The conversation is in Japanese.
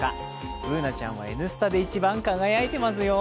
Ｂｏｏｎａちゃんは「Ｎスタ」で一番輝いてますよ。